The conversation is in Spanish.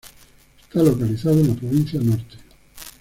Está localizado en la Provincia Norte.